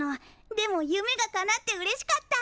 でも夢がかなってうれしかった！